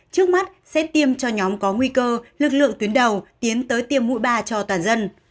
trước mắt sẽ tiêm cho nhóm có nguy cơ lực lượng tuyến đầu tiến tới tiêm mũi ba cho toàn dân